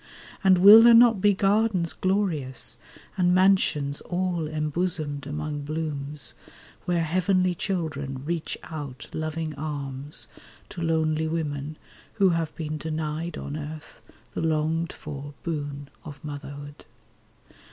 And will there not be gardens glorious, And mansions all embosomed among blooms, Where heavenly children reach out loving arms To lonely women who have been denied On earth the longed for boon of motherhood?